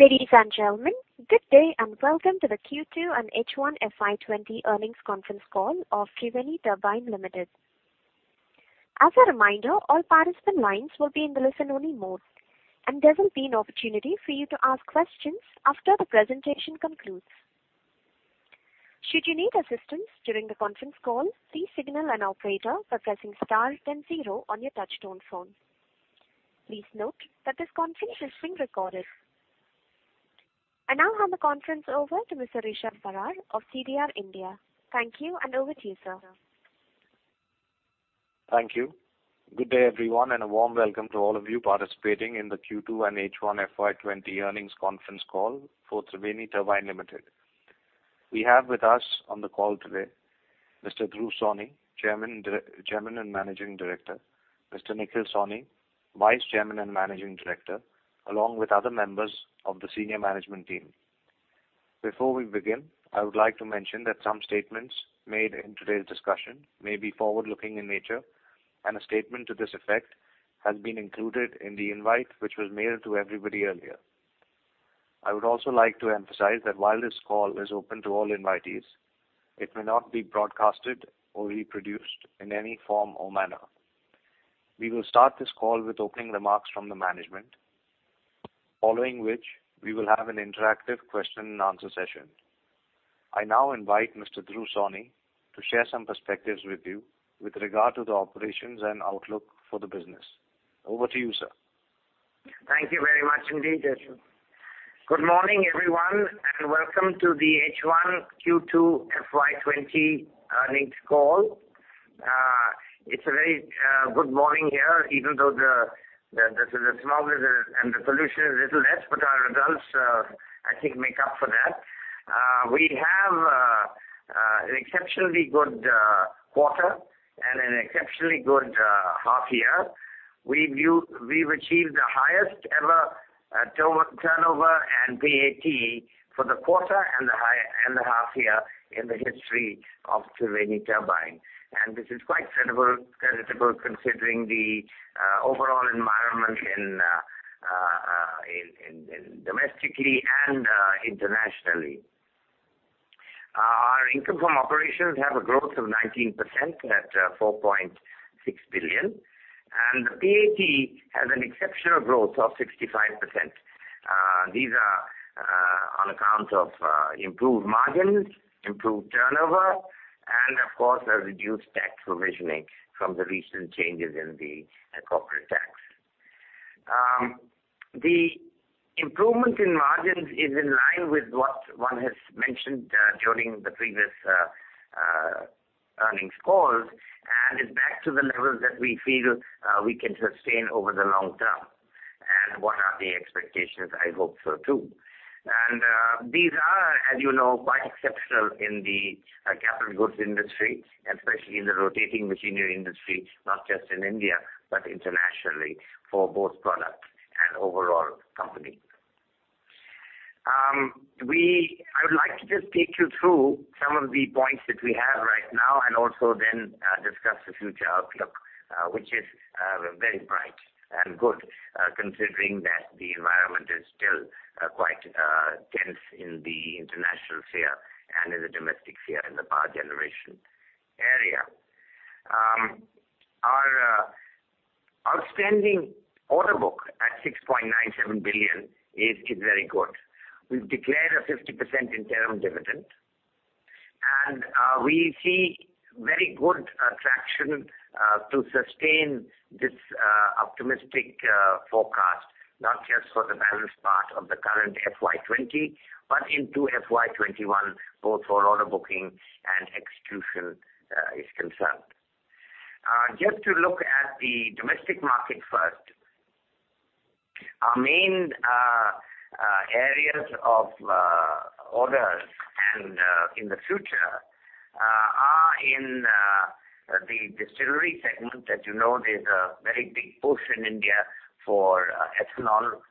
Ladies and gentlemen, good day and welcome to the Q2 and H1 FY 2020 earnings conference call of Triveni Turbine Limited. As a reminder, all participant lines will be in the listen only mode and there will be an opportunity for you to ask questions after the presentation concludes. Should you need assistance during the conference call, please signal an operator by pressing star then zero on your touch-tone phone. Please note that this conference is being recorded. I now hand the conference over to Mr. Rishabh Barar of CDR India. Thank you and over to you, sir. Thank you. Good day, everyone, and a warm welcome to all of you participating in the Q2 and H1 FY 2020 earnings conference call for Triveni Turbine Limited. We have with us on the call today, Mr. Dhruv Sawhney, Chairman and Managing Director, Mr. Nikhil Sawhney, Vice Chairman and Managing Director, along with other members of the senior management team. Before we begin, I would like to mention that some statements made in today's discussion may be forward-looking in nature, and a statement to this effect has been included in the invite, which was mailed to everybody earlier. I would also like to emphasize that while this call is open to all invitees, it may not be broadcasted or reproduced in any form or manner. We will start this call with opening remarks from the management, following which we will have an interactive question and answer session. I now invite Mr. Dhruv Sawhney to share some perspectives with you with regard to the operations and outlook for the business. Over to you, sir. Thank you very much indeed, Rishabh. Good morning, everyone, and welcome to the H1 Q2 FY20 earnings call. It's a very good morning here, even though there's a small blizzard and the pollution is a little less, our results, I think, make up for that. We have an exceptionally good quarter and an exceptionally good half year. We've achieved the highest ever turnover and PAT for the quarter and the half year in the history of Triveni Turbine. This is quite creditable considering the overall environment domestically and internationally. Our income from operations have a growth of 19% at 4.6 billion, and the PAT has an exceptional growth of 65%. These are on account of improved margins, improved turnover, and of course, a reduced tax provisioning from the recent changes in the corporate tax. The improvement in margins is in line with what one has mentioned during the previous earnings calls, and is back to the levels that we feel we can sustain over the long term. What are the expectations? I hope so too. These are, as you know, quite exceptional in the capital goods industry, especially in the rotating machinery industry, not just in India, but internationally for both product and overall company. I would like to just take you through some of the points that we have right now and also then discuss the future outlook, which is very bright and good, considering that the environment is still quite tense in the international sphere and in the domestic sphere in the power generation area. Our outstanding order book at 6.97 billion is very good. We've declared a 50% interim dividend. We see very good traction to sustain this optimistic forecast, not just for the balance part of the current FY 2020, but into FY 2021, both for order booking and execution is concerned. Just to look at the domestic market first. Our main areas of orders and in the future are in the distillery segment that you know there's a very big push in India for ethanol.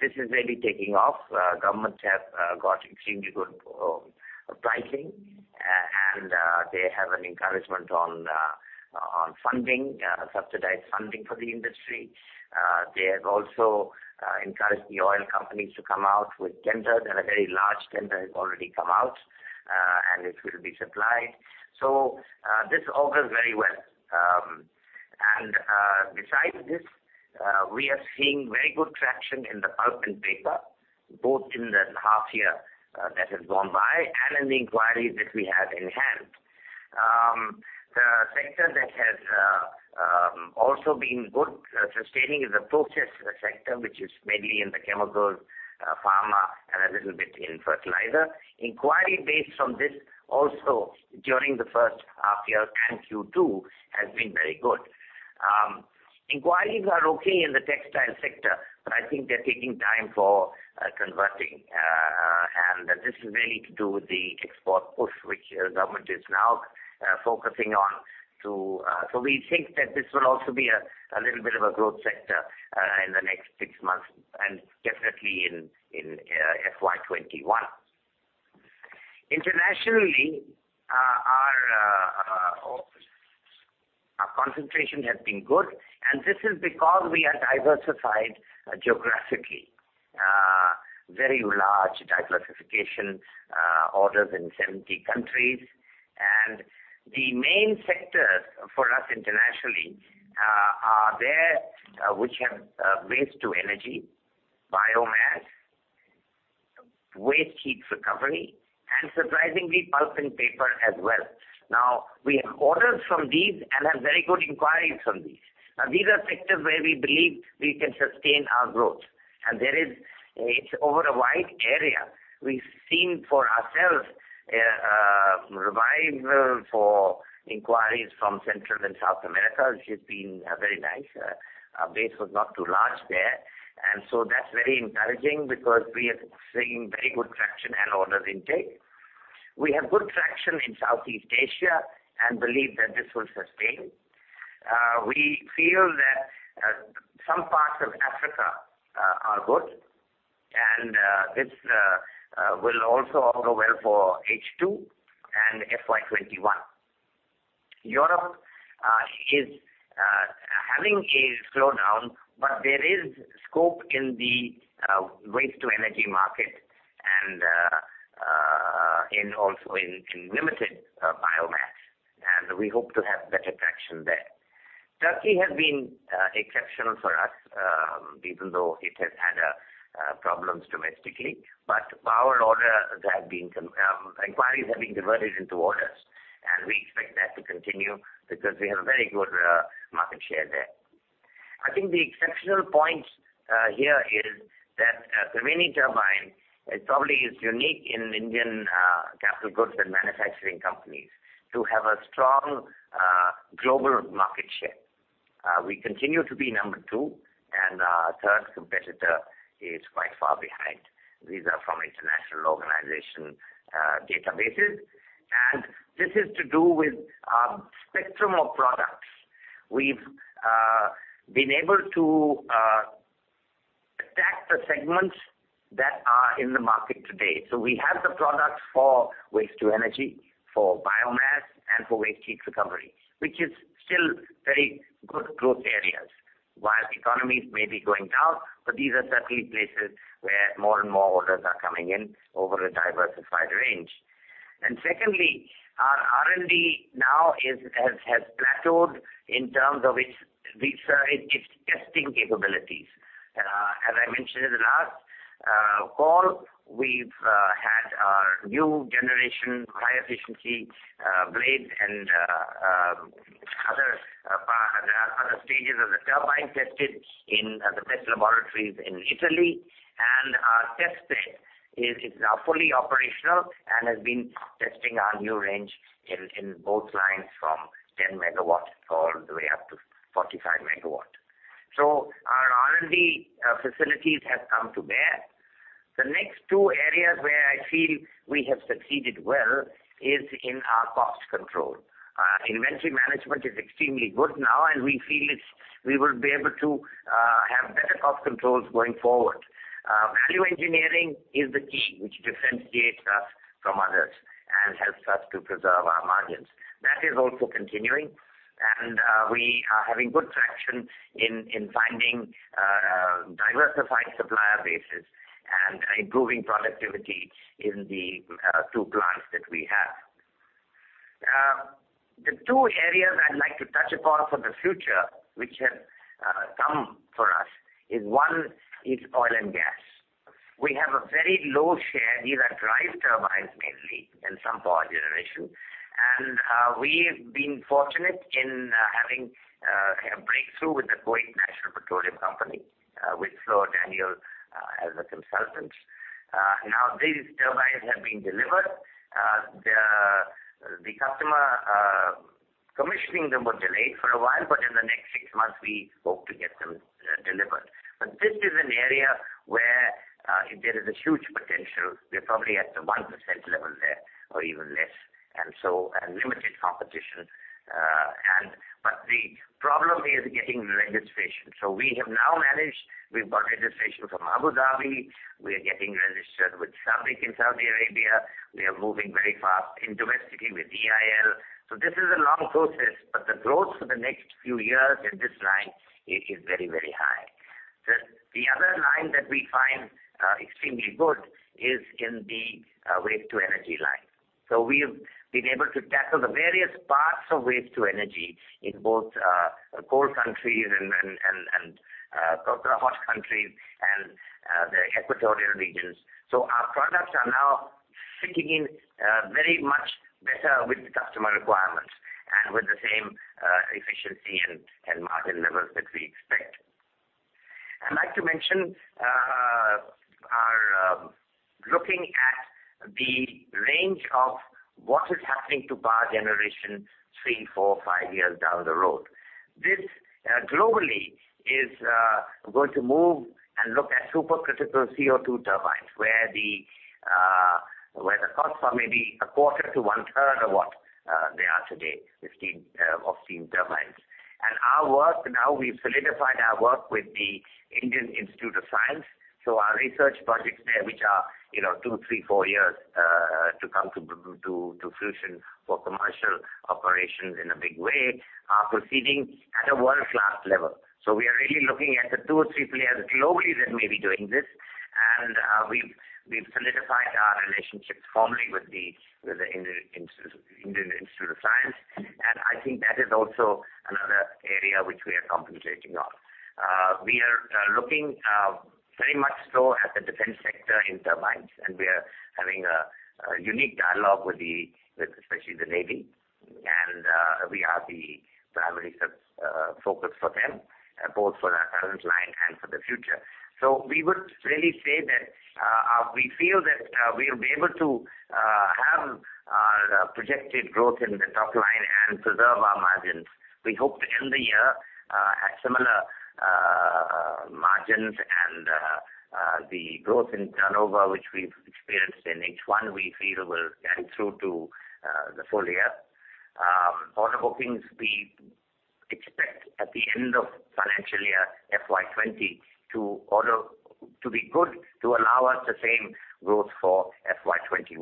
This is really taking off. Governments have got extremely good pricing. They have an encouragement on subsidized funding for the industry. They have also encouraged the oil companies to come out with tenders. A very large tender has already come out. It will be supplied. This augurs very well. Besides this, we are seeing very good traction in the pulp and paper, both in the half year that has gone by and in the inquiries that we have in hand. The sector that has also been good sustaining is the process sector, which is mainly in the chemicals, pharma, and a little bit in fertilizer. Inquiry based on this also during the first half year and Q2 has been very good. Inquiries are okay in the textile sector, I think they're taking time for converting, and this is really to do with the export push which government is now focusing on. We think that this will also be a little bit of a growth sector in the next 6 months, and definitely in FY 2021. Internationally, our concentration has been good, this is because we are diversified geographically. Very large diversification orders in 70 countries. The main sectors for us internationally are there, which have waste to energy, biomass, waste heat recovery, and surprisingly, pulp and paper as well. We have orders from these and have very good inquiries from these. These are sectors where we believe we can sustain our growth, and it's over a wide area. We've seen for ourselves a revival for inquiries from Central and South America, which has been very nice. Our base was not too large there. That's very encouraging because we are seeing very good traction and orders intake. We have good traction in Southeast Asia and believe that this will sustain. We feel that some parts of Africa are good, and this will also augur well for H2 and FY 2021. Europe is having a slowdown, but there is scope in the waste to energy market and also in limited biomass, and we hope to have better traction there. Turkey has been exceptional for us, even though it has had problems domestically. Inquiries have been converted into orders, and we expect that to continue because we have a very good market share there. I think the exceptional points here is that Triveni Turbine is probably unique in Indian capital goods and manufacturing companies to have a strong global market share. We continue to be number two, and our third competitor is quite far behind. These are from international organization databases. This is to do with spectrum of products. We've been able to attack the segments that are in the market today. We have the products for waste to energy, for biomass, and for waste heat recovery, which is still very good growth areas. While economies may be going down, these are certainly places where more and more orders are coming in over a diversified range. Secondly, our R&D now has plateaued in terms of its testing capabilities. As I mentioned in the last call, we have had our new generation, high efficiency blades and other stages of the turbine tested in the best laboratories in Italy. Our test bed is now fully operational and has been testing our new range in both lines from 10 MW all the way up to 45 MW. Our R&D facilities have come to bear. The next two areas where I feel we have succeeded well is in our cost control. Inventory management is extremely good now, and we feel we will be able to have better cost controls going forward. Value engineering is the key, which differentiates us from others and helps us to preserve our margins. That is also continuing. We are having good traction in finding diversified supplier bases and improving productivity in the two plants that we have. The two areas I'd like to touch upon for the future, which have come for us is, one is oil and gas. We have a very low share. These are drive turbines mainly and some power generation. We've been fortunate in having a breakthrough with the Kuwait National Petroleum Company, with Fluor Daniel as a consultant. These turbines have been delivered. The customer commissioning them were delayed for a while, but in the next six months, we hope to get them delivered. This is an area where there is a huge potential. We're probably at the 1% level there or even less, and so a limited competition. The problem is getting registration. We have now managed, we've got registration from Abu Dhabi, we're getting registered with SABIC in Saudi Arabia. We are moving very fast domestically with DIL. This is a long process, but the growth for the next few years in this line is very, very high. The other line that we find extremely good is in the waste to energy line. We've been able to tackle the various parts of waste to energy in both cold countries and hot countries and the equatorial regions. Our products are now fitting in very much better with the customer requirements and with the same efficiency and margin levels that we expect. I'd like to mention, looking at the range of what is happening to power generation three, four, five years down the road. This globally is going to move and look at supercritical CO2 turbines, where the costs are maybe a quarter to one-third of what they are today of steam turbines. Our work now, we've solidified our work with the Indian Institute of Science. Our research projects there, which are two, three, four years to come To fruition for commercial operations in a big way are proceeding at a world-class level. We are really looking at the two or three players globally that may be doing this, and we've solidified our relationships formally with the Indian Institute of Science. I think that is also another area which we are compensating on. We are looking very much so at the defense sector in turbines, and we are having a unique dialogue especially with the Navy, and we are the primary focus for them, both for our current line and for the future. We would really say that we feel that we'll be able to have our projected growth in the top line and preserve our margins. We hope to end the year at similar margins and the growth in turnover which we've experienced in H1, we feel will carry through to the full year. Order bookings we expect at the end of financial year FY 2020 to be good, to allow us the same growth for FY 2021.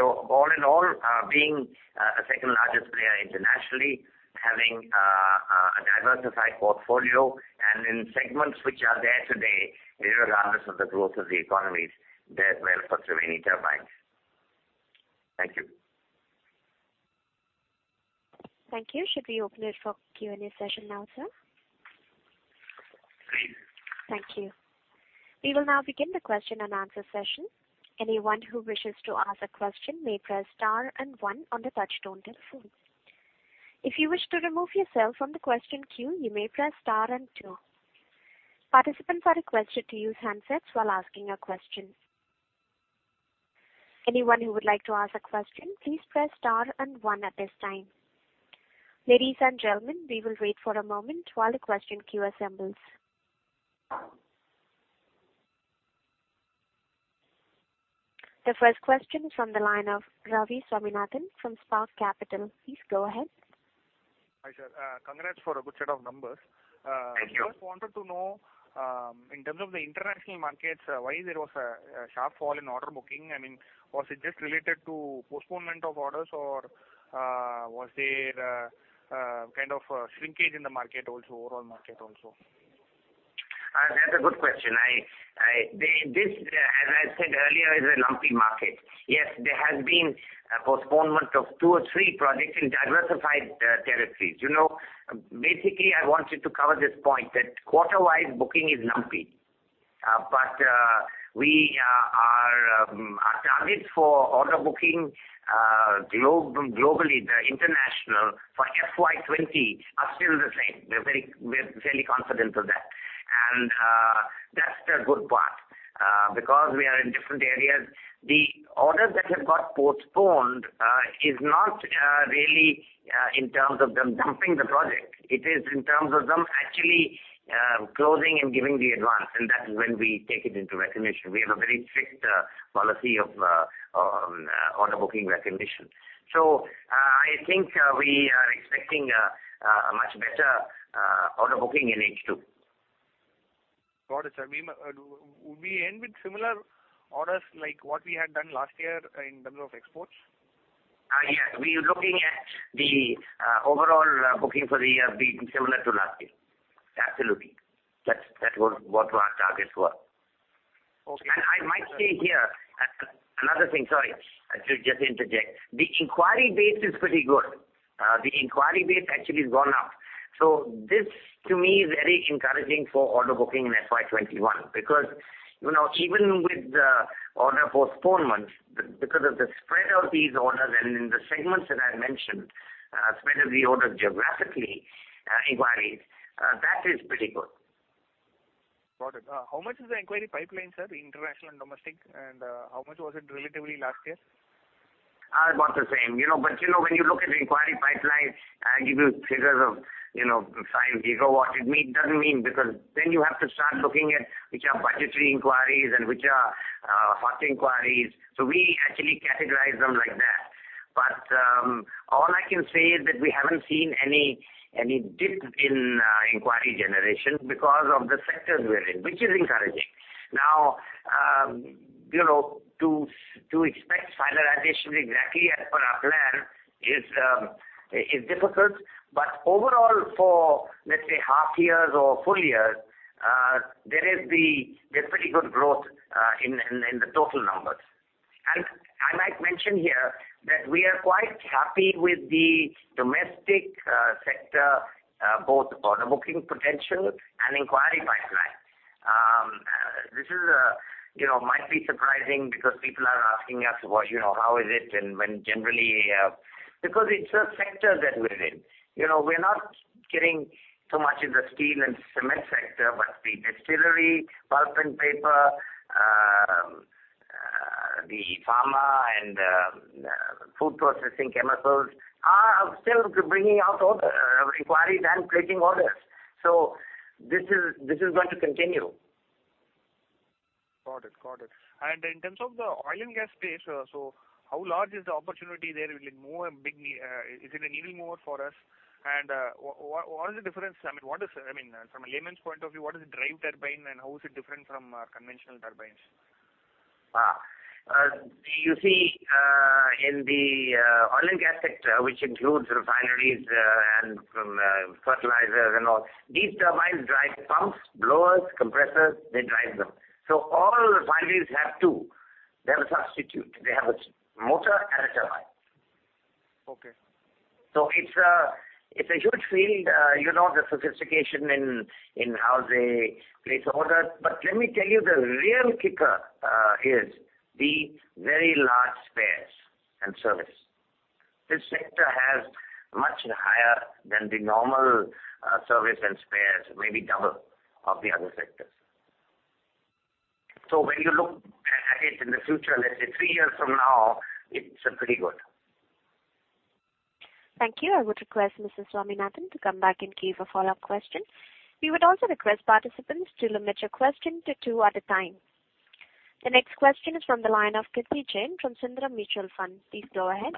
All in all, being the second-largest player internationally, having a diversified portfolio, and in segments which are there today, regardless of the growth of the economies, they're well for Triveni Turbine. Thank you. Thank you. Should we open it for Q&A session now, sir? Please. Thank you. We will now begin the question and answer session. Anyone who wishes to ask a question may press star 1 on the touchtone telephone. If you wish to remove yourself from the question queue, you may press star 2. Participants are requested to use handsets while asking a question. Anyone who would like to ask a question, please press star 1 at this time. Ladies and gentlemen, we will wait for a moment while the question queue assembles. The first question is from the line of Ravi Swaminathan from Spark Capital. Please go ahead. Hi, sir. Congrats for a good set of numbers. Thank you. I just wanted to know, in terms of the international markets, why there was a sharp fall in order booking. Was it just related to postponement of orders, or was there a kind of shrinkage in the overall market also? That's a good question. This, as I said earlier, is a lumpy market. Yes, there has been a postponement of two or three projects in diversified territories. Basically, I wanted to cover this point that quarter-wise booking is lumpy. Our targets for order booking globally, the international for FY 2020 are still the same. We're very confident of that. That's the good part. Because we are in different areas, the orders that have got postponed is not really in terms of them dumping the project. It is in terms of them actually closing and giving the advance, and that is when we take it into recognition. We have a very strict policy of order booking recognition. I think we are expecting a much better order booking in H2. Got it, sir. Would we end with similar orders like what we had done last year in terms of exports? Yes. We are looking at the overall booking for the year being similar to last year. Absolutely. That's what our targets were. Okay. I might say here, another thing. Sorry to just interject. The inquiry base is pretty good. The inquiry base actually has gone up. This to me is very encouraging for order booking in FY 2021. Even with the order postponements, because of the spread of these orders and in the segments that I mentioned, spread of the orders geographically, inquiries, that is pretty good. Got it. How much is the inquiry pipeline, sir, international and domestic, and how much was it relatively last year? About the same. When you look at inquiry pipelines and give you figures of 5 gigawatts, it doesn't mean, because then you have to start looking at which are budgetary inquiries and which are hot inquiries. We actually categorize them like that. All I can say is that we haven't seen any dip in inquiry generation because of the sectors we're in, which is encouraging. Now, to expect finalization exactly as per our plan is difficult. Overall for, let's say, half years or full years, there's pretty good growth in the total numbers. I might mention here that we are quite happy with the domestic sector, both order booking potential and inquiry pipeline. This might be surprising because people are asking us, "How is it?" Because it's the sectors that we're in. We're not getting so much in the steel and cement sector. The distillery, pulp and paper, the pharma, and food processing chemicals are still bringing out orders, inquiries, and placing orders. This is going to continue. Got it. In terms of the oil and gas space, how large is the opportunity there? Is it a needle move for us? What is the difference? From a layman's point of view, what is a drive turbine and how is it different from conventional turbines? You see, in the oil and gas sector, which includes refineries and fertilizers and all, these turbines drive pumps, blowers, compressors, they drive them. All refineries have two. They have a substitute. They have a motor and a turbine. Okay. It's a huge field, the sophistication in how they place orders. Let me tell you, the real kicker is the very large spares and service. This sector has much higher than the normal service and spares, maybe double of the other sectors. When you look at it in the future, let's say three years from now, it's pretty good. Thank you. I would request Mr. Swaminathan to come back in case of follow-up questions. We would also request participants to limit your question to two at a time. The next question is from the line of Kirthi Jain from Sundaram Mutual Fund. Please go ahead.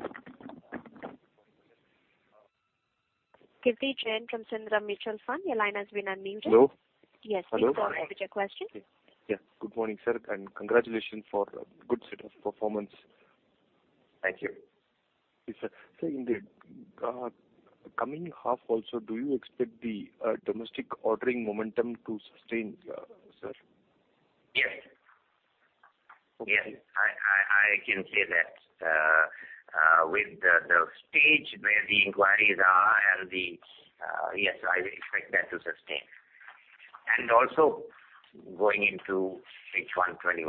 Kirthi Jain from Sundaram Mutual Fund, your line has been unmuted. Hello? Yes, please go ahead with your question. Okay. Yeah. Good morning, sir, and congratulations for a good set of performance. Thank you. Yes, sir. In the coming half also, do you expect the domestic ordering momentum to sustain, sir? Yes. I can say that. With the stage where the inquiries are, yes, I expect that to sustain. Also going into H121.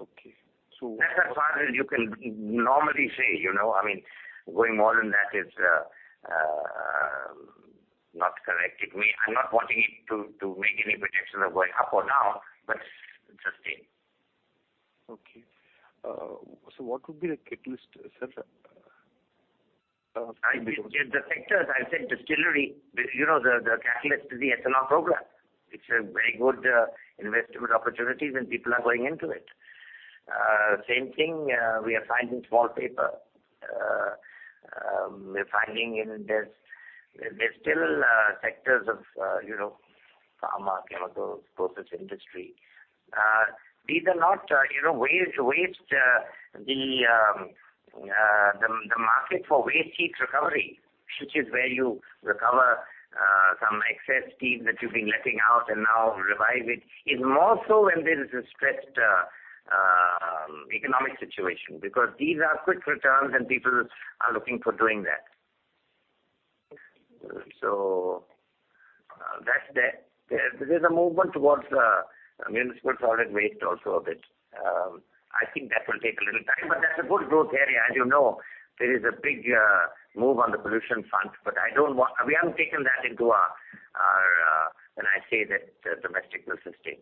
Okay. That's as far as you can normally say. Going more than that is not correct. I'm not wanting to make any predictions of going up or down, but sustain. Okay. What would be the catalyst, sir? The sectors, I said distillery. The catalyst is the SLR program, which is a very good investment opportunity, and people are going into it. Same thing, we are finding small paper. We're finding there's still sectors of pharma, chemical, process industry. The market for waste heat recovery, which is where you recover some excess steam that you've been letting out and now revive it, is more so when there is a stressed economic situation, because these are quick returns and people are looking for doing that. There is a movement towards municipal solid waste also a bit. I think that will take a little time, but that's a good growth area. As you know, there is a big move on the pollution front, but we haven't taken that into our, when I say that domestic will sustain.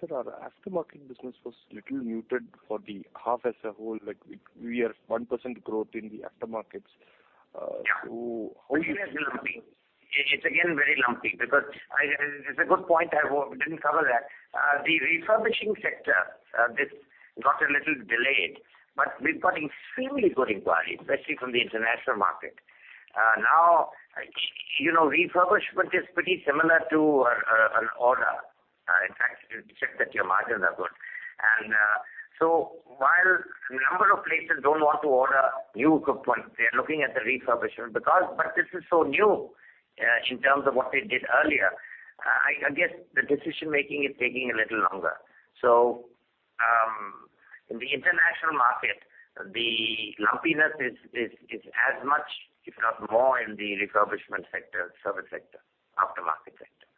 Sir, our aftermarket business was little muted for the half as a whole. We are 1% growth in the aftermarkets. Yeah. How is this looking? It's again very lumpy. It's a good point, I didn't cover that. The refurbishing sector, this got a little delayed, but we've got extremely good inquiry, especially from the international market. Refurbishment is pretty similar to an order. In fact, you check that your margins are good. While a number of places don't want to order new equipment, they're looking at the refurbishment. This is so new in terms of what they did earlier. I guess the decision-making is taking a little longer. In the international market, the lumpiness is as much, if not more, in the refurbishment sector, service sector, aftermarket sector.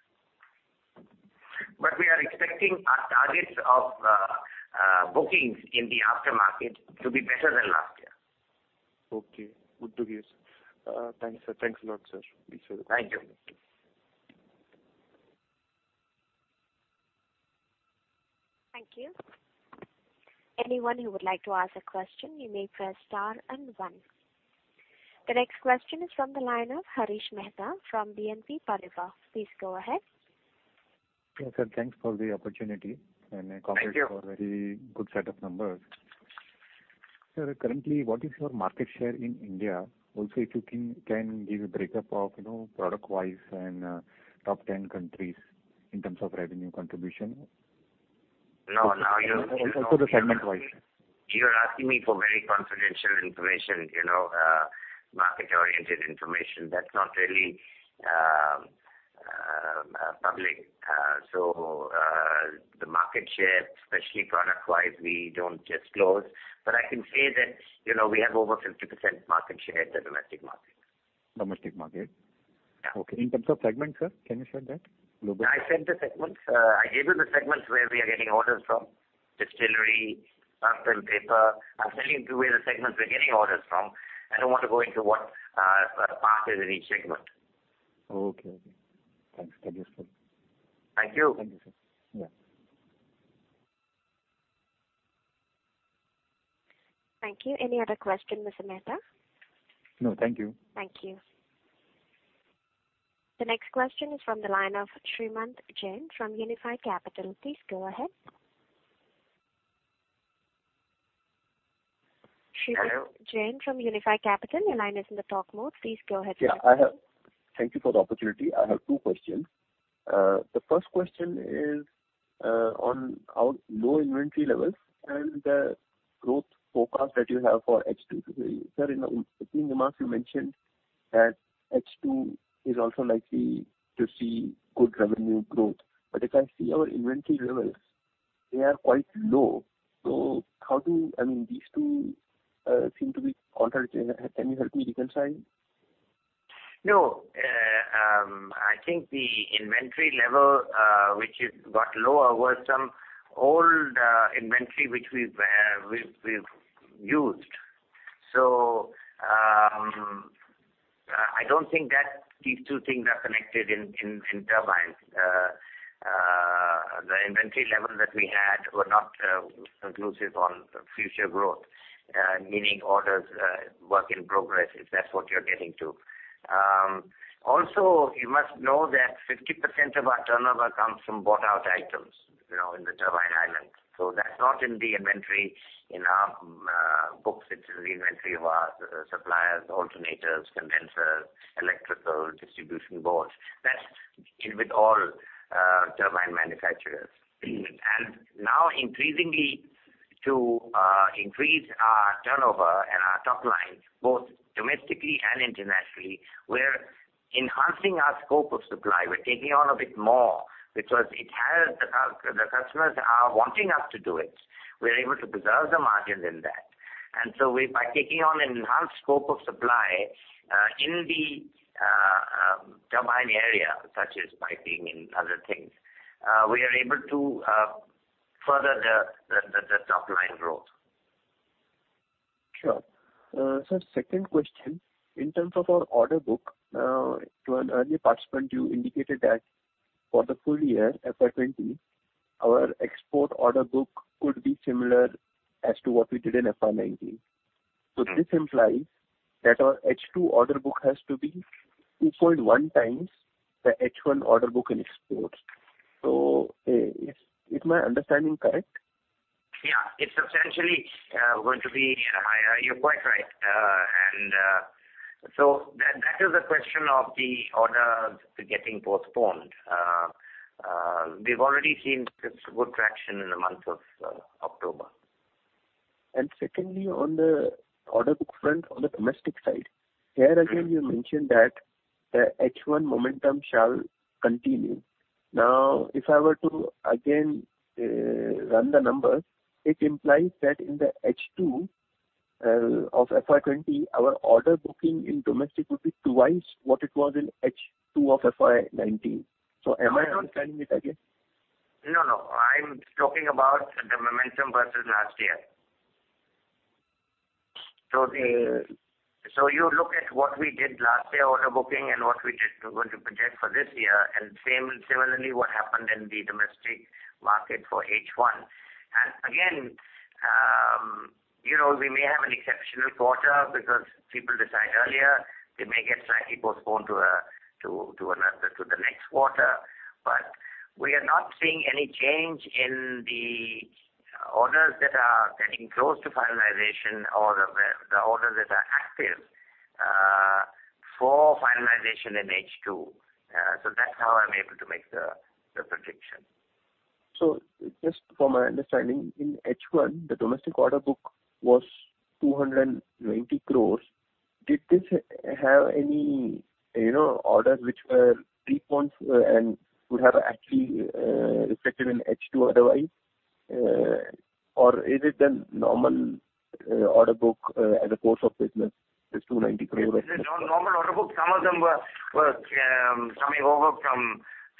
We are expecting our targets of bookings in the aftermarket to be better than last year. Okay. Good to hear, sir. Thanks a lot, sir. Thank you. Thank you. Anyone who would like to ask a question, you may press star and one. The next question is from the line of Harish Mehta from BNP Paribas. Please go ahead. Yes sir, thanks for the opportunity. Thank you. Congrats for very good set of numbers. Sir, currently, what is your market share in India? If you can give a breakup of product-wise and top 10 countries in terms of revenue contribution. No. Also the segment-wise. You're asking me for very confidential information, market-oriented information. That's not really public. The market share, especially product-wise, we don't disclose, but I can say that we have over 50% market share in the domestic market. Domestic market? Yeah. Okay. In terms of segment, sir, can you share that? I said the segments. I gave you the segments where we are getting orders from. Distillery, pulp and paper. I'm telling you the way the segments we're getting orders from. I don't want to go into what part is in each segment. Okay. Thanks. That's useful. Thank you. Thank you, sir. Yeah. Thank you. Any other question, Mr. Mehta? No, thank you. Thank you. The next question is from the line of Shrikant Jain from Unifi Capital. Please go ahead. Shrikant Jain from Unifi Capital, your line is in the talk mode. Please go ahead. Thank you for the opportunity. I have two questions. The first question is on our low inventory levels and the growth forecast that you have for H2. Sir, in the remarks you mentioned that H2 is also likely to see good revenue growth. If I see our inventory levels, they are quite low. These two seem to be contrary. Can you help me reconcile? No. I think the inventory level which got lower was some old inventory which we've used. I don't think these two things are connected in turbines. The inventory levels that we had were not conclusive on future growth, meaning orders, work in progress, if that's what you're getting to. Also, you must know that 50% of our turnover comes from bought-out items in the turbine island. That's not in the inventory in our books. It's in the inventory of our suppliers, alternators, condensers, electrical distribution boards. That's in with all turbine manufacturers. Now increasingly, to increase our turnover and our top line, both domestically and internationally, we're enhancing our scope of supply. We're taking on a bit more because the customers are wanting us to do it. We're able to preserve the margins in that. By taking on an enhanced scope of supply in the turbine area, such as piping and other things, we are able to further the top-line growth. Sure. Sir, second question. In terms of our order book, to an earlier participant, you indicated that for the full year, FY 2020, our export order book could be similar as to what we did in FY 2019. This implies that our H2 order book has to be 2.1 times the H1 order book in exports. Is my understanding correct? Yeah, it's essentially going to be higher. You're quite right. That is a question of the orders getting postponed. We've already seen good traction in the month of October. Secondly, on the order book front, on the domestic side, here again, you mentioned that the H1 momentum shall continue. If I were to again run the numbers, it implies that in the H2 of FY 2020, our order booking in domestic would be twice what it was in H2 of FY 2019. Am I understanding it again? No, no. I'm talking about the momentum versus last year. You look at what we did last year order booking and what we are going to project for this year, and similarly what happened in the domestic market for H1. Again, we may have an exceptional quarter because people decide earlier. They may get slightly postponed to the next quarter. We are not seeing any change in the orders that are getting close to finalization or the orders that are active for finalization in H2. That's how I'm able to make the prediction. Just for my understanding, in H1, the domestic order book was 290 crore. Did this have any orders which were preponed and would have actually reflected in H2 otherwise? Is it the normal order book as a course of business, this 290 crore? It's the normal order book. Some of them were coming over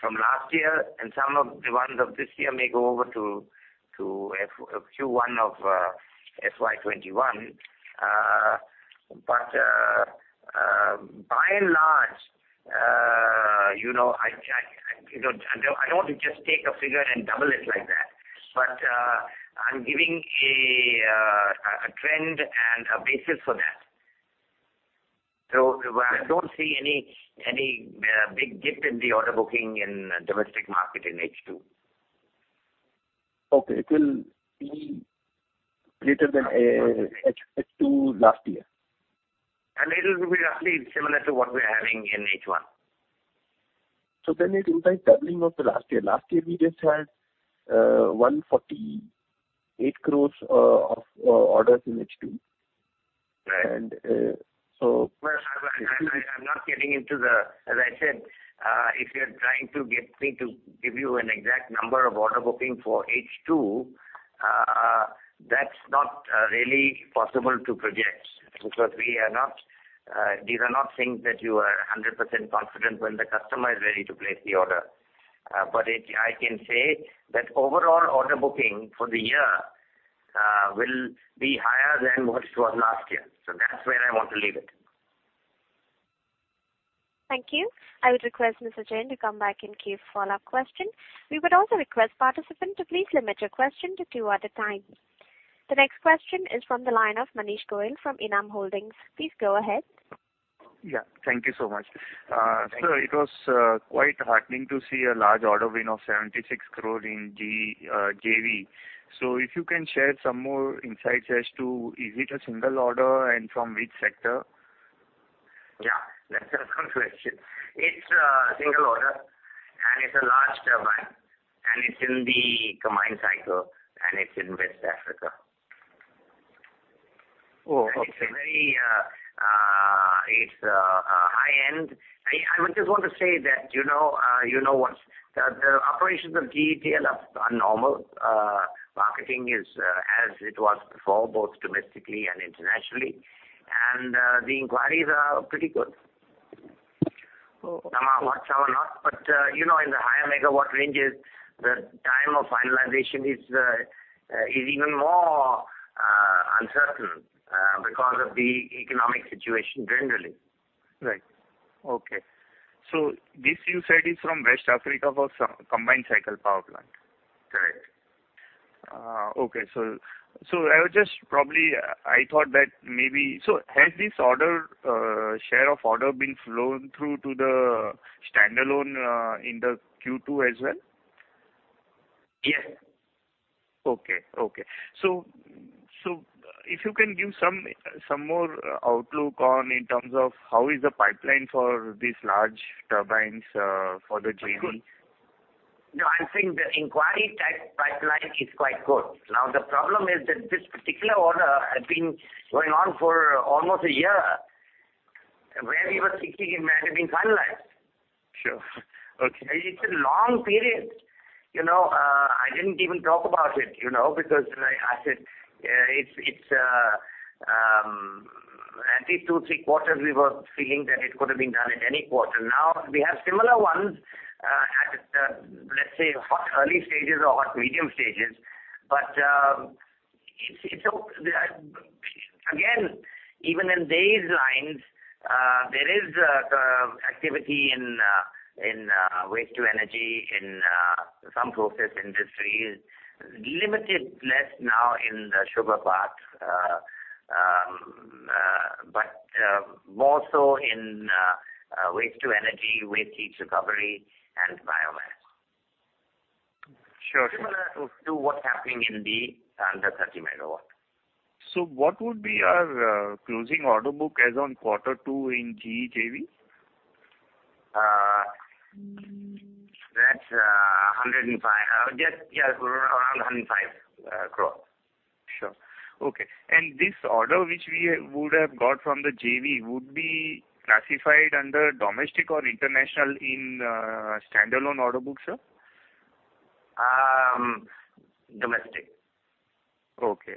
from last year, and some of the ones of this year may go over to Q1 of FY 2021. By and large, I don't want to just take a figure and double it like that. I'm giving a trend and a basis for that. I don't see any big dip in the order booking in domestic market in H2. Okay. It will be greater than H2 last year. It will be roughly similar to what we're having in H1. It implies doubling of the last year. Last year, we just had 148 crores of orders in H2. Right. And so- Well, I'm not getting into the As I said, if you're trying to get me to give you an exact number of order booking for H2, that's not really possible to project because these are not things that you are 100% confident when the customer is ready to place the order. I can say that overall order booking for the year will be higher than what it was last year. That's where I want to leave it. Thank you. I would request Mr. Jain to come back in case follow-up question. We would also request participants to please limit your question to two at a time. The next question is from the line of Manish Goyal from Enam Holdings. Please go ahead. Yeah. Thank you so much. Sure. Sir, it was quite heartening to see a large order win of 76 crore in GE JV. If you can share some more insights as to, is it a single order, and from which sector? Yeah. That's a good question. It's a single order, and it's a large turbine, and it's in the combined cycle, and it's in West Africa. Oh, okay. It's high-end. I just want to say that the operations of GETL are normal. Marketing is as it was before, both domestically and internationally. The inquiries are pretty good. Oh. Some are, some are not. In the higher megawatt ranges, the time of finalization is even more uncertain because of the economic situation generally. Right. Okay. This you said is from West Africa for combined cycle power plant. Correct. Okay. I thought that maybe So has this share of order been flown through to the standalone in the Q2 as well? Yes. Okay. If you can give some more outlook on, in terms of how is the pipeline for these large turbines for the JV? Of course. No, I'm saying the inquiry type pipeline is quite good. The problem is that this particular order had been going on for almost a year, where we were thinking it might have been finalized. Sure. Okay. It's a long period. I didn't even talk about it because I said, at least two, three quarters we were feeling that it could have been done at any quarter. Now, we have similar ones at, let's say, early stages or medium stages. But again, even in these lines, there is activity in waste to energy, in some process industries. Limited less now in the sugar part. But more so in waste to energy, waste heat recovery, and biomass. Sure. Similar to what's happening in the under 30 MW. What would be our closing order book as on quarter two in GE JV? That's 105. Yes, around 105 crore. Sure. Okay. This order, which we would have got from the JV, would be classified under domestic or international in standalone order book, sir? Domestic. Okay.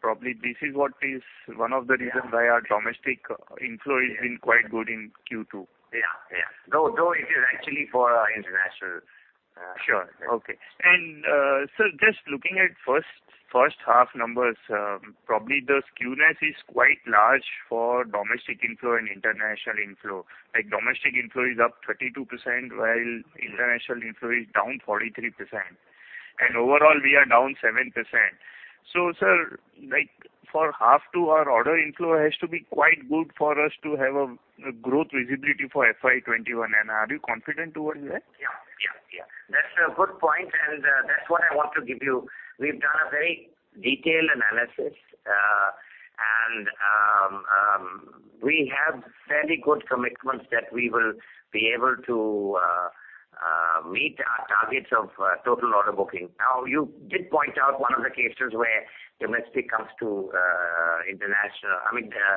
Probably this is what is one of the reasons why our domestic inflow has been quite good in Q2. Yeah. Though it is actually for international. Sure. Okay. Sir, just looking at H1 numbers, probably the skewness is quite large for domestic inflow and international inflow. Like domestic inflow is up 32%, while international inflow is down 43%. Overall, we are down 7%. Sir, like for H2, our order inflow has to be quite good for us to have a growth visibility for FY 2021. Are you confident towards that? Yeah. That's a good point, and that's what I want to give you. We've done a very detailed analysis. We have fairly good commitments that we will be able to meet our targets of total order booking. Now, you did point out one of the cases where domestic comes to international, I mean, the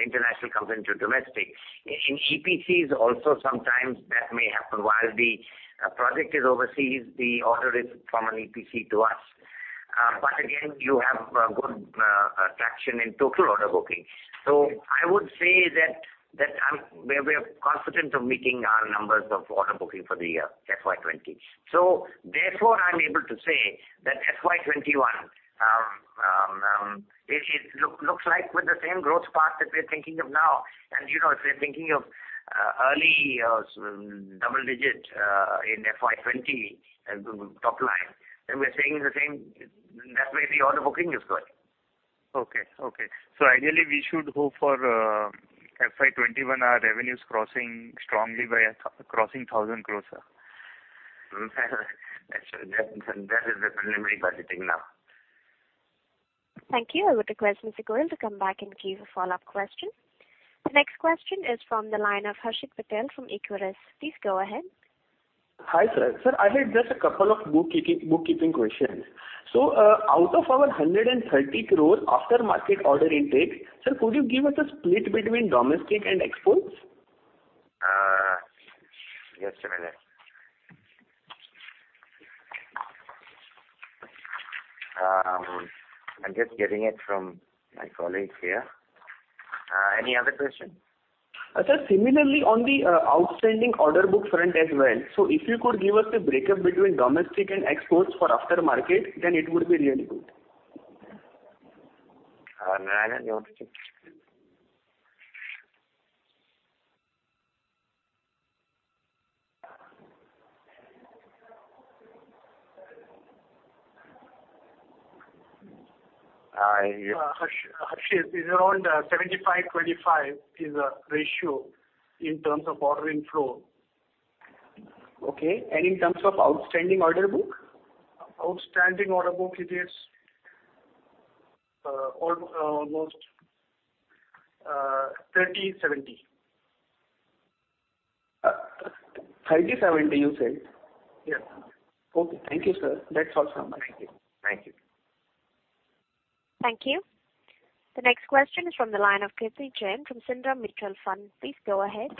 international comes into domestic. In EPCs also sometimes that may happen while the project is overseas, the order is from an EPC to us. Again, you have good traction in total order booking. I would say that we are confident of meeting our numbers of order booking for the year, FY20. Therefore, I'm able to say that FY21, it looks like with the same growth path that we're thinking of now. If we're thinking of early double digit in FY 2020 top line, we're saying that way the order booking is going. Okay. Ideally we should hope for FY 2021, our revenues crossing strongly by crossing 1,000 crores, sir. That is the preliminary budgeting now. Thank you. I would request Mr. Goyal to come back and give a follow-up question. The next question is from the line of Harshit Patel from Equirus. Please go ahead. Hi, sir. Sir, I had just a couple of bookkeeping questions. Out of our 130 crores aftermarket order intake, sir, could you give us a split between domestic and exports? Just a minute. I am just getting it from my colleague here. Any other question? Sir, similarly on the outstanding order book front as well. If you could give us a breakup between domestic and exports for aftermarket, then it would be really good. No, I don't have it. Harshit, it is around 75/25 is the ratio in terms of order inflow. Okay. In terms of outstanding order book? Outstanding order book, it is almost 30/70. 30/70, you said? Yes. Okay. Thank you, sir. That's all from my side. Thank you. Thank you. Thank you. The next question is from the line of Kirthi Jain from Sundaram Mutual Fund. Please go ahead.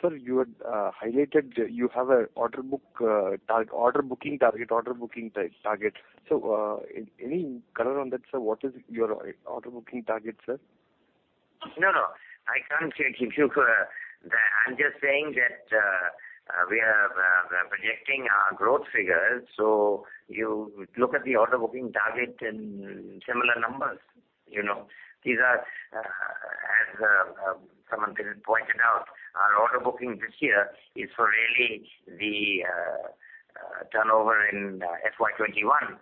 Sir, you had highlighted you have a order booking target. Any color on that, sir? What is your order booking target, sir? No, I can't give you. I'm just saying that we are projecting our growth figures, so you look at the order booking target in similar numbers. As Swaminathan pointed out, our order booking this year is for really the turnover in FY 2021.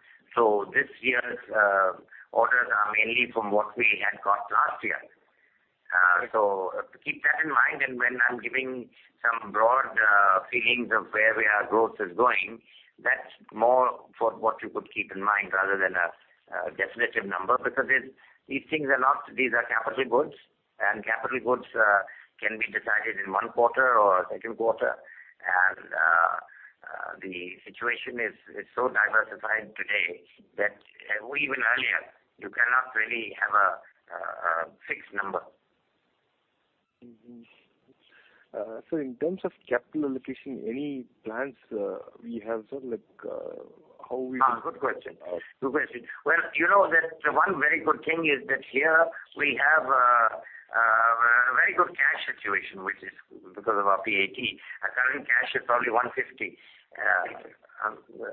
This year's orders are mainly from what we had got last year. Keep that in mind. When I'm giving some broad feelings of where our growth is going, that's more for what you could keep in mind rather than a definitive number, because these are capital goods, and capital goods can be decided in one quarter or a second quarter. The situation is so diversified today that even earlier, you cannot really have a fixed number. In terms of capital allocation, any plans we have, sir? Like. Good question. Well, the one very good thing is that here we have a very good cash situation, which is because of our PAT. Our current cash is probably 150. At the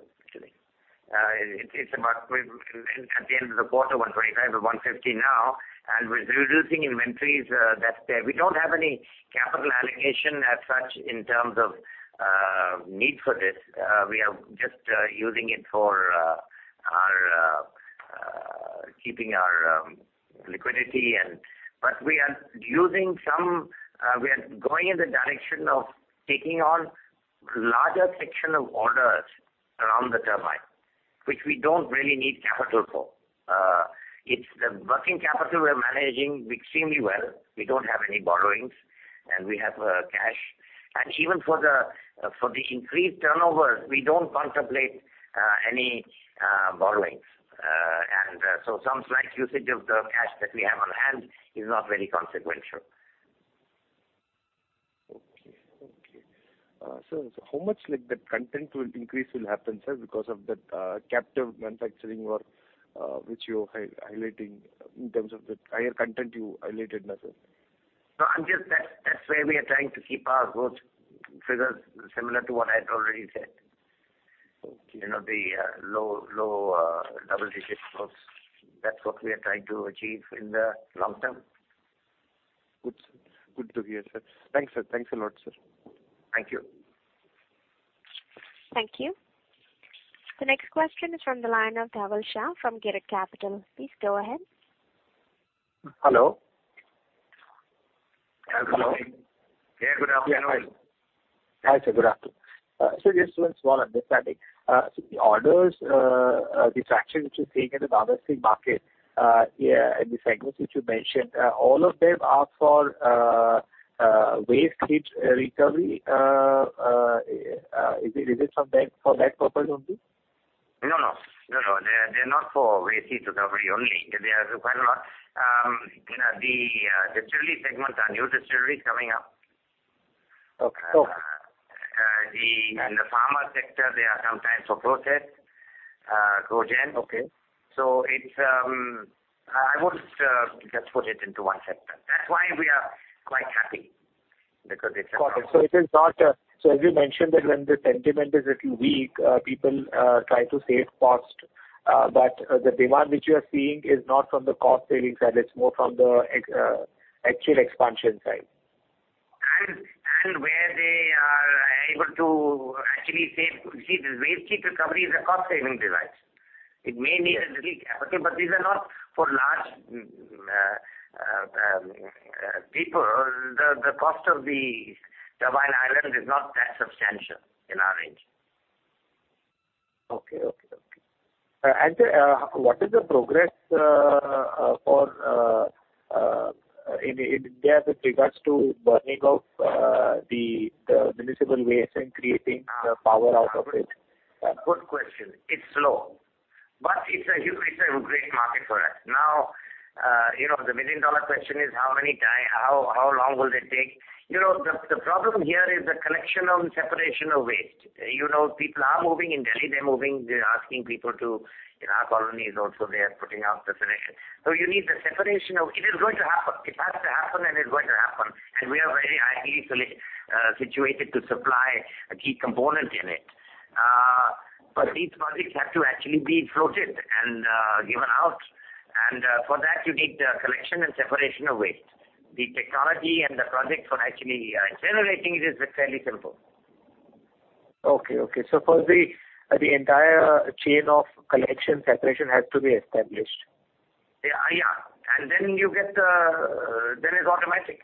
end of the quarter, 125 or 150 now, and we're reducing inventories that's there. We don't have any capital allocation as such in terms of need for this. We are just using it for keeping our liquidity. We are going in the direction of taking on larger section of orders around the turbine, which we don't really need capital for. It's the working capital we're managing extremely well. We don't have any borrowings, and we have cash. Even for the increased turnover, we don't contemplate any borrowings. Some slight usage of the cash that we have on hand is not very consequential. Okay. Sir, how much like that content increase will happen, sir, because of that captive manufacturing work, which you're highlighting in terms of the higher content you highlighted now, sir? No, that's where we are trying to keep our growth figures similar to what I had already said. Okay. The low double-digit growth. That's what we are trying to achieve in the long term. Good. Good to hear, sir. Thanks a lot, sir. Thank you. Thank you. The next question is from the line of Dhaval Shah from Girik Capital. Please go ahead. Hello. Hello. Yeah, good afternoon. Hi, sir. Good afternoon. Just one small understanding. The orders, the traction which you're seeing in the downstream market, in the segments which you mentioned, all of them are for waste heat recovery? Is it for that purpose only? No, they're not for waste heat recovery only. There's quite a lot. The distillery segments are new distilleries coming up. Okay. In the pharma sector, they are sometimes for process, cogen. Okay. I wouldn't just put it into one sector. That's why we are quite happy. Got it. As you mentioned that when the sentiment is little weak, people try to save cost. The demand which you are seeing is not from the cost savings side, it's more from the actual expansion side. Where they are able to actually save. See, the waste heat recovery is a cost-saving device. It may need a little capital. These are not for large people. The cost of the turbine island is not that substantial in our range. Okay. What is the progress in India with regards to burning of the municipal waste and creating power out of it? Good question. It's slow, but it's a great market for us. The million-dollar question is, how long will it take? The problem here is the collection and separation of waste. People are moving in Delhi, they're asking people to, in our colonies also, they are putting out the solution. You need the separation of. It is going to happen. It has to happen, it's going to happen. We are very ideally situated to supply a key component in it. These projects have to actually be floated and given out, and for that, you need the collection and separation of waste. The technology and the project for actually generating it is fairly simple. Okay. Firstly, the entire chain of collection separation has to be established. Yeah. Then it's automatic.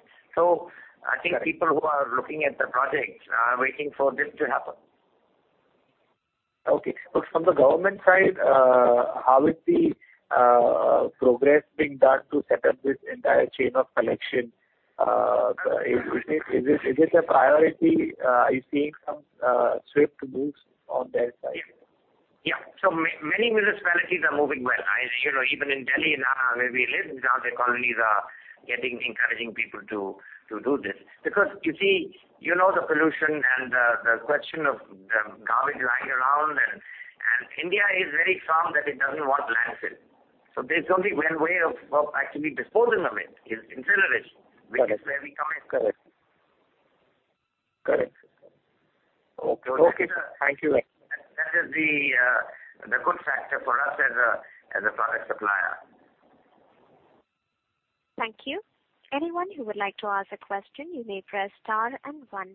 I think people who are looking at the project are waiting for this to happen. Okay. From the government side, how is the progress being done to set up this entire chain of collection? Is it a priority? Are you seeing some swift moves on their side? Yeah. Many municipalities are moving well. Even in Delhi, now, where we live, now the colonies are encouraging people to do this. You see, you know the pollution and the question of the garbage lying around, and India is very firm that it doesn't want landfill. There's only one way of actually disposing of it, is incineration, which is where we come in. Correct. Okay. Thank you. That is the good factor for us as a product supplier. Thank you. Anyone who would like to ask a question, you may press star and one.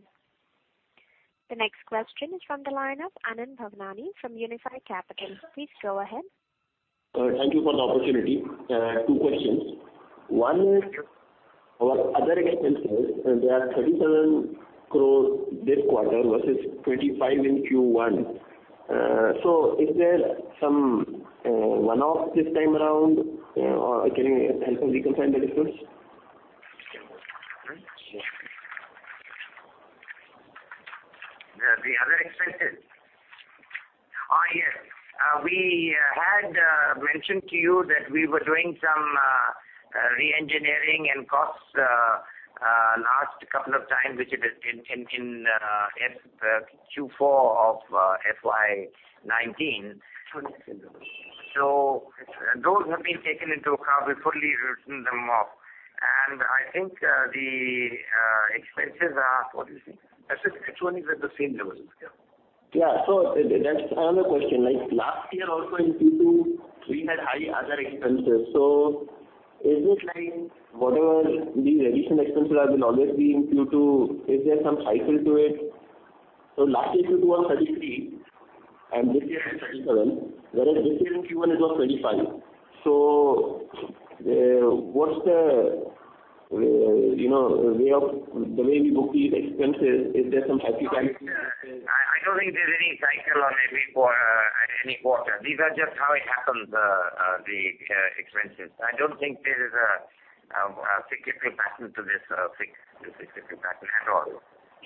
The next question is from the line of Anand Bhavnani from Unifi Capital. Please go ahead. Thank you for the opportunity. Two questions. One is our other expenses, they are 37 crores this quarter versus 25 in Q1. Is there some one-off this time around, or can you help us reconcile the difference? The other expenses? Yes. We had mentioned to you that we were doing some re-engineering and costs last couple of times, which is in Q4 of FY 2019. Those have been taken into account. We've fully written them off. I think the expenses are What do you think? Actually, it's only at the same level as before. That's another question. Last year also in Q2, we had high other expenses. Is it like whatever these additional expenses have been always been Q2, is there some cycle to it? Last year Q2 was 33, and this year is 37, whereas this year in Q1 it was INR 25. What's the way we book these expenses? Is there some cyclicality? I don't think there's any cycle on any quarter. These are just how it happens, the expenses. I don't think there is a specific pattern to this at all.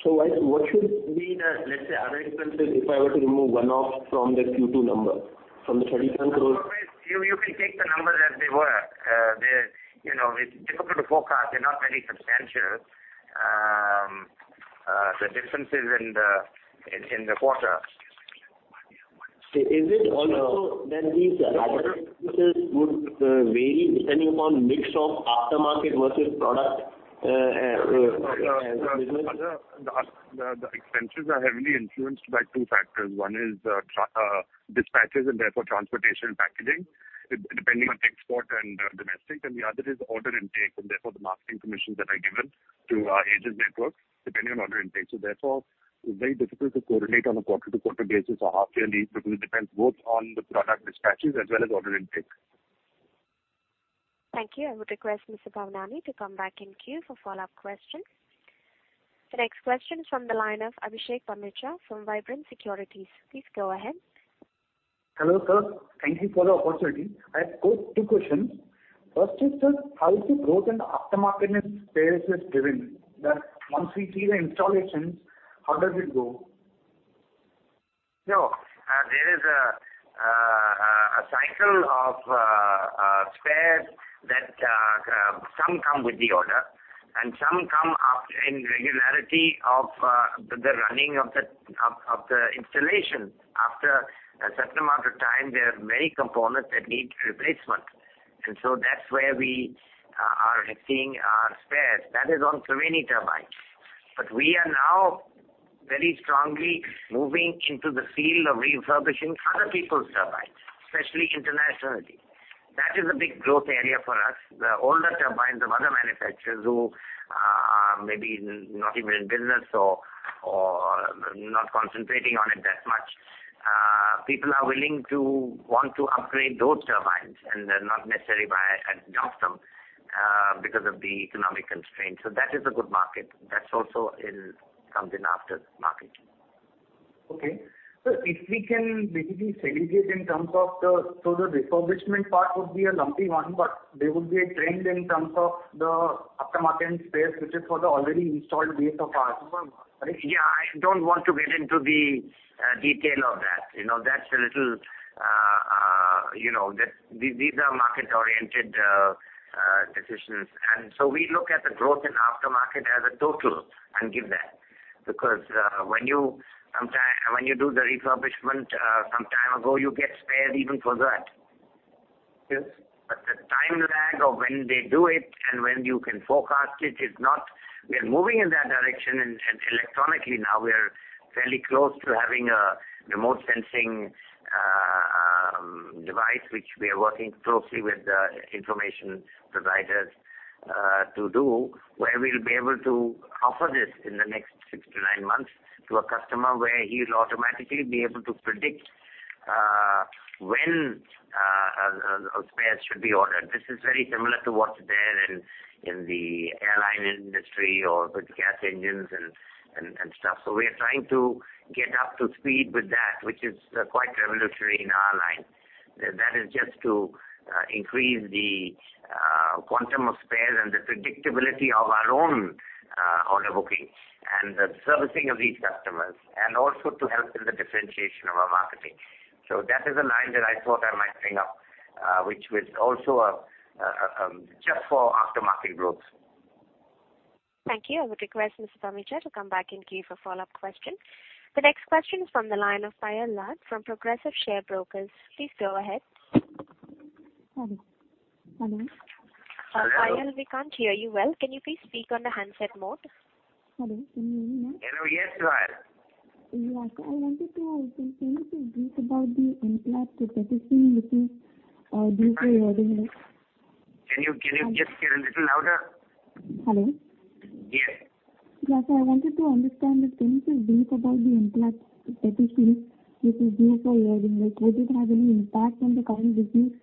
What should be the, let's say, other expenses, if I were to remove one-off from the Q2 number, from the 37 crores? You can take the numbers as they were. It's difficult to forecast. They're not very substantial, the differences in the quarter. Is it also that these other expenses would vary depending upon mix of aftermarket versus product as a business? The expenses are heavily influenced by two factors. One is dispatches, and therefore transportation and packaging, depending on export and domestic. The other is order intake, and therefore the marketing commissions that are given to our agent networks, depending on order intake. Therefore, it's very difficult to coordinate on a quarter-to-quarter basis or half yearly, because it depends both on the product dispatches as well as order intake. Thank you. I would request Mr. Bhavnani to come back in queue for follow-up questions. The next question is from the line of Abhishek Pamecha from Vibrant Securities. Please go ahead. Hello, sir. Thank you for the opportunity. I have two questions. First is, sir, how is the growth in the aftermarket space is driven? Once we do the installations, how does it go? There is a cycle of spares that some come with the order and some come after in regularity of the running of the installation. After a certain amount of time, there are many components that need replacement. That is where we are seeing our spares. That is on Triveni Turbines. We are now very strongly moving into the field of refurbishing other people's turbines, especially internationally. That is a big growth area for us. The older turbines of other manufacturers who are maybe not even in business or not concentrating on it that much, people are willing to want to upgrade those turbines, and not necessarily buy adopt them because of the economic constraints. That is a good market. That also comes in after marketing. Okay. If we can basically segregate in terms of the refurbishment part would be a lumpy one, but there would be a trend in terms of the aftermarket spares, which is for the already installed base of ours, right? Yeah. I don't want to get into the detail of that. These are market-oriented decisions. We look at the growth in aftermarket as a total and give that, because when you do the refurbishment some time ago, you get spares even for that. Yes. The time lag of when they do it and when you can forecast it, is not. We are moving in that direction, electronically now, we are fairly close to having a remote sensing device, which we are working closely with the information providers to do, where we'll be able to offer this in the next six to nine months to a customer where he'll automatically be able to predict when spares should be ordered. This is very similar to what's there in the airline industry or with gas engines and stuff. We are trying to get up to speed with that, which is quite revolutionary in our line. That is just to increase the quantum of spares and the predictability of our own order booking and the servicing of these customers, and also to help in the differentiation of our marketing. That is a line that I thought I might bring up, which was also just for aftermarket growth. Thank you. I would request Mr. Pamecha to come back and give a follow-up question. The next question is from the line of Payal Lad from Progressive Share Brokers. Please go ahead. Hello. Hello. Payal, we can't hear you well. Can you please speak on the handset mode? Hello, can you hear me now? Hello, yes, Payal. Yes. I wanted to understand a little brief about the Enclave acquisition which is due for wording. Can you just speak a little louder? Hello. Yes. Yes. I wanted to understand a little brief about the Enclave acquisition, which is due for wording. Would it have any impact on the current business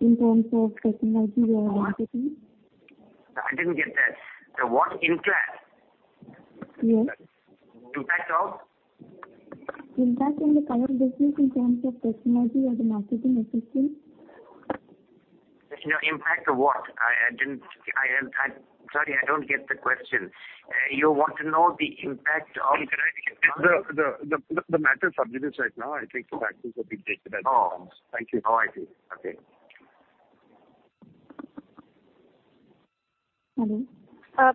in terms of technology or marketing? I didn't get that. The what? Enclave? Yes. Impact of? Impact on the current business in terms of technology or the marketing assistance. No impact of what? Sorry, I don't get the question. You want to know the impact of? The matter is sub judice right now. I think the factors have been taken. Oh. Thank you. Oh, I see. Okay. Hello.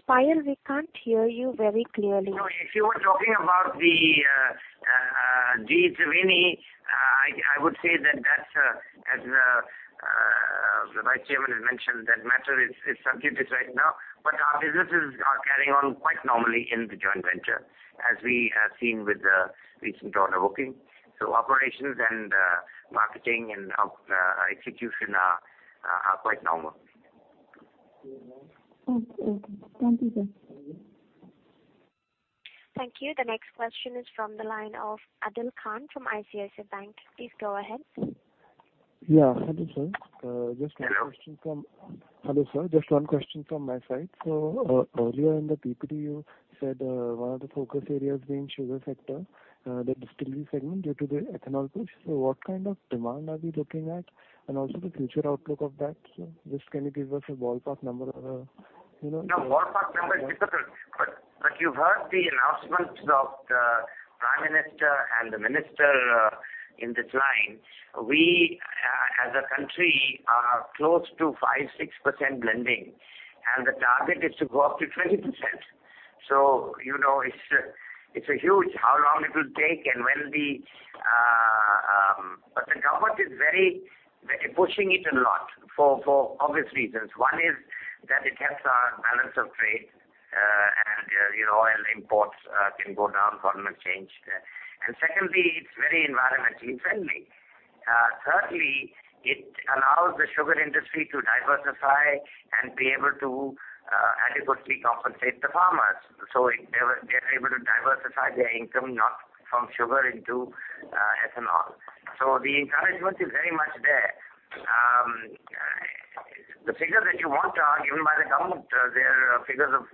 Payal, we can't hear you very clearly. If you were talking about the GE Triveni, I would say that, as the Vice Chairman has mentioned, that matter is sub judice right now. Our businesses are carrying on quite normally in the joint venture, as we have seen with the recent order booking. Operations and marketing and execution are quite normal. Okay. Thank you, sir. Thank you. The next question is from the line of Adil Khan from ICICI Bank. Please go ahead. Yeah. Hello, sir. Hello. Hello, sir. Just one question from my side. Earlier in the PPD, you said one of the focus areas being sugar sector, the distillery segment due to the ethanol push. What kind of demand are we looking at and also the future outlook of that, sir? Just can you give us a ballpark number? No, ballpark number is difficult, but you've heard the announcements of the prime minister and the minister in this line. We, as a country, are close to 5%-6% blending, the target is to go up to 20%. It's huge. The government is pushing it a lot for obvious reasons. One is that it helps our balance of trade, oil imports can go down. Secondly, it's very environmentally friendly. Thirdly, it allows the sugar industry to diversify and be able to adequately compensate the farmers. They're able to diversify their income from sugar into ethanol. The encouragement is very much there. The figures that you want are given by the government. How long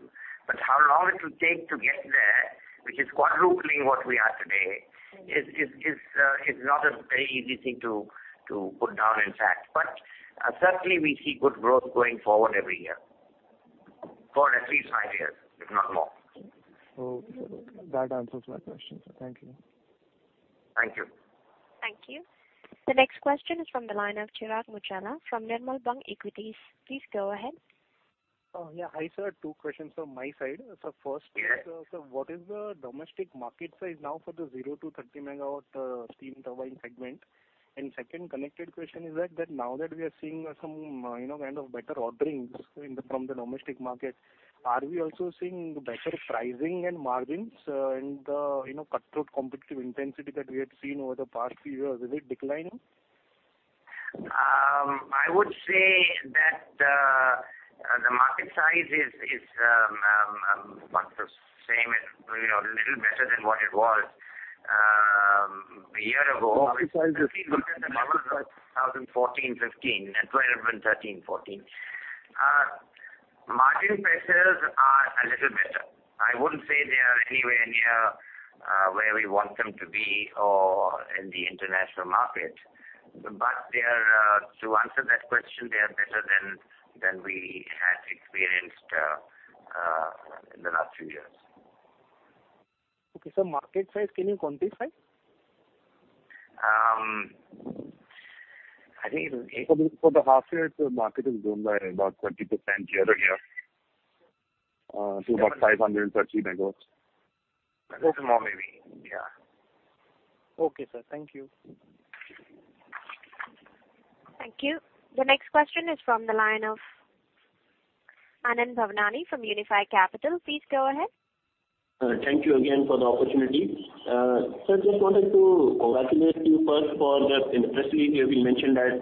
it will take to get there, which is quadrupling what we are today, is not a very easy thing to put down in fact. Certainly we see good growth going forward every year for at least five years, if not more. Okay. That answers my question, sir. Thank you. Thank you. Thank you. The next question is from the line of Chirag Muchhala from Nirmal Bang Equities. Please go ahead. Yeah. Hi, sir. Two questions from my side. Yes sir, what is the domestic market size now for the zero to 30 megawatt steam turbine segment? Second connected question is that, now that we are seeing some kind of better orderings from the domestic market, are we also seeing better pricing and margins and cutthroat competitive intensity that we had seen over the past few years? Is it declining? I would say that the market size is about the same as, a little better than what it was a year ago. Market size is- 2014-2015, and 2012 and 2013-2014. Margin pressures are a little better. I wouldn't say they are anywhere near where we want them to be or in the international market. To answer that question, they are better than we had experienced in the last few years. Okay, sir. Market size, can you quantify? I think for the half year, the market has grown by about 20% year-over-year to about 530 megawatts. A little more maybe. Yeah. Okay, sir. Thank you. Thank you. The next question is from the line of Anand Bhavnani from Unifi Capital, please go ahead. Thank you again for the opportunity. Sir, just wanted to congratulate you first for the, interestingly, you mentioned that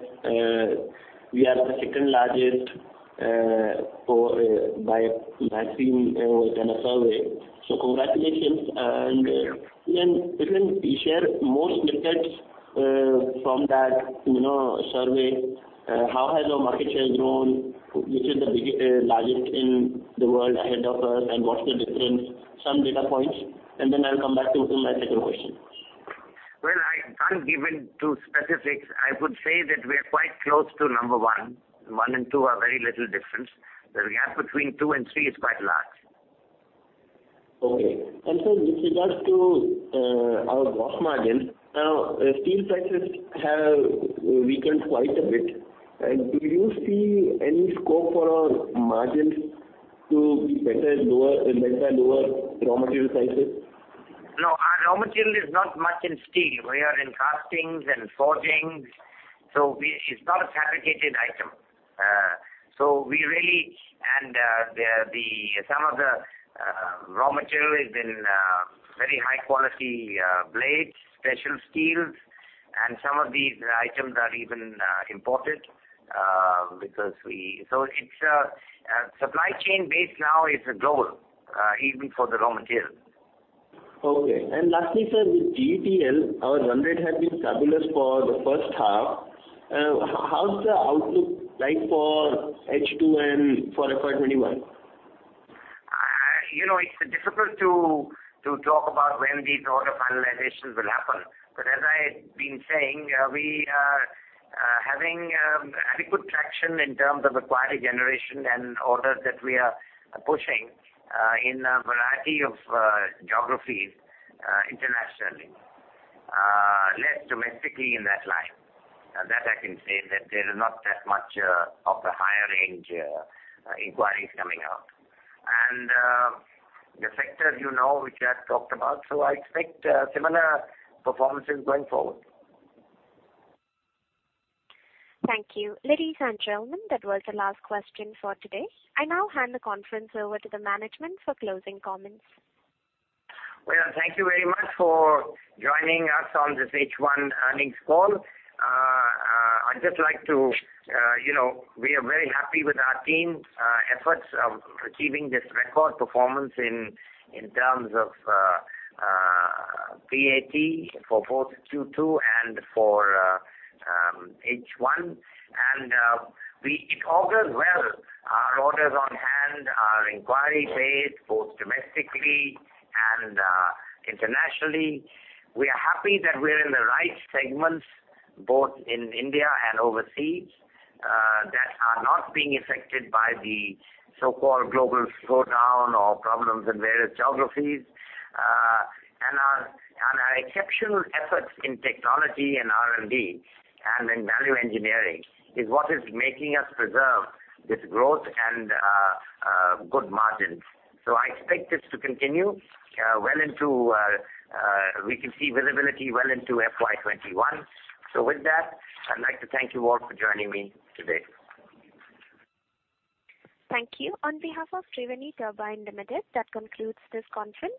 we are the second-largest by magazine in a survey. Congratulations. If you can share more snippets from that survey. How has our market share grown? Which is the largest in the world ahead of us, and what's the difference? Some data points, and then I'll come back to my second question. Well, I can't give into specifics. I would say that we're quite close to number one. One and two are very little difference. The gap between two and three is quite large. Okay. Sir, with regards to our gross margin, steel prices have weakened quite a bit. Do you see any scope for our margins to be better in lower raw material prices? No, our raw material is not much in steel. We are in castings and forgings, it's not a fabricated item. Some of the raw material is in very high-quality blades, special steels, and some of these items are even imported. Supply chain base now is global, even for the raw material. Okay. Lastly, sir, with GETL, our run rate had been fabulous for the first half. How's the outlook like for H2 and for FY 2021? It's difficult to talk about when these order finalizations will happen. As I've been saying, we are having adequate traction in terms of inquiry generation and orders that we are pushing in a variety of geographies internationally. Less domestically in that line. That I can say, that there is not that much of the higher range inquiries coming out. The factors you know, which I have talked about. I expect similar performances going forward. Thank you. Ladies and gentlemen, that was the last question for today. I now hand the conference over to the management for closing comments. Well, thank you very much for joining us on this H1 earnings call. We are very happy with our team's efforts of achieving this record performance in terms of PAT for both Q2 and for H1. It augurs well. Our orders on hand, our inquiry base, both domestically and internationally. We are happy that we're in the right segments, both in India and overseas, that are not being affected by the so-called global slowdown or problems in various geographies. Our exceptional efforts in technology and R&D and in value engineering is what is making us preserve this growth and good margins. I expect this to continue. We can see visibility well into FY21. With that, I'd like to thank you all for joining me today. Thank you. On behalf of Triveni Turbine Limited, that concludes this conference.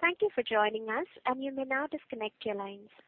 Thank you for joining us, and you may now disconnect your lines.